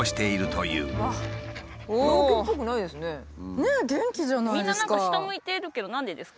ねえ元気じゃないですか。